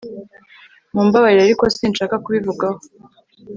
Mumbabarire ariko sinshaka kubivugaho